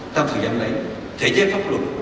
tạm thời gian này thể chế pháp luật